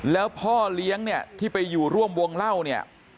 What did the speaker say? แล้วพ่อเลี้ยงเนี่ยที่ไปอยู่ร่วมวงเล่าเนี่ย